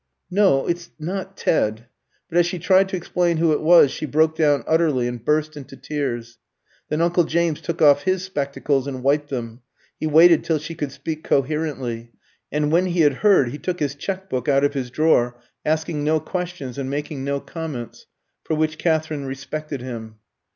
"No; it's not Ted " But as she tried to explain who it was she broke down utterly, and burst into tears. Then uncle James took off his spectacles and wiped them. He waited till she could speak coherently; and when he had heard, he took his cheque book out of his drawer, asking no questions and making no comments for which Katherine respected him.